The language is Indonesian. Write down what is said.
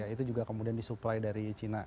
itu juga kemudian disuplai dari cina